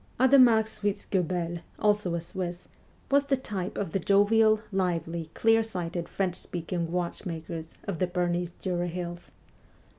Adhemar Schwitzguebel, also a Swiss, was the type of the jovial, lively, clear sighted French speaking watchmakers of the Bernese Jura hills.